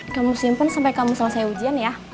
kamu simpen sampai kamu selesai ujian ya